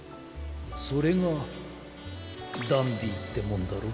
それがダンディってもんだろ？